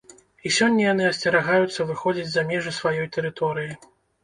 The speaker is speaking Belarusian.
І сёння яны асцерагаюцца выходзіць за межы сваёй тэрыторыі.